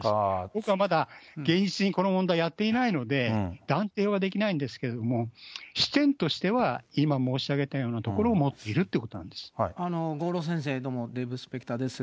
僕はまだ現実にこの問題やっていないので、断定はできないんですけれども、視点としては今申し上げたようなところを持っているってことなん郷路先生、どうも、デーブ・スペクターです。